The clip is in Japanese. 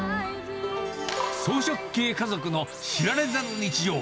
草食経過族の知られざる日常。